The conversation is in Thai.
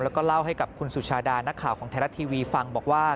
แล้วก็เล่าให้กับคุณสุชาดานักข่าวของไทยรัฐทีวีฟังบอกว่า